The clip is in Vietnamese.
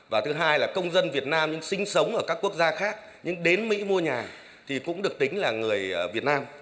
và thứ hai là công dân việt nam sinh sống ở các quốc gia khác nhưng đến mỹ mua nhà thì cũng được tính là người việt nam